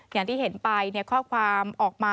อย่างที่เห็นไปข้อความออกมา